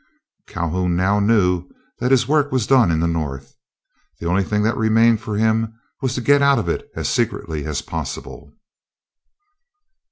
Calhoun now knew that his work was done in the North. The only thing that remained for him was to get out of it as secretly as possible.